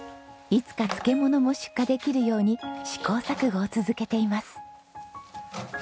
いつか漬物も出荷できるように試行錯誤を続けています。